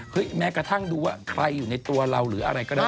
แม้กระทั่งดูว่าใครอยู่ในตัวเราหรืออะไรก็ได้